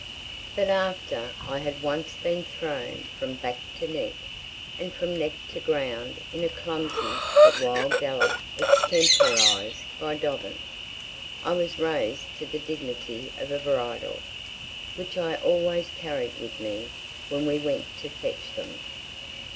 But after I had once been thrown from back to neck, and from neck to ground in a clumsy but wild gallop extemporized by Dobbin, I was raised to the dignity of a bridle, which I always carried with me when we went to fetch them.